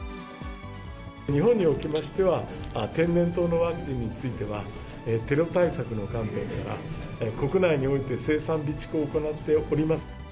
日本におきましては、天然痘のワクチンについては、テロ対策の観点から、国内において生産備蓄を行っております。